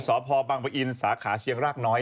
สพปอินทร์สาขาเชียงรากน้อย